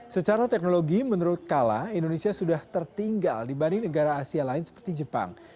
secara teknologi menurut kala indonesia sudah tertinggal dibanding negara asia lain seperti jepang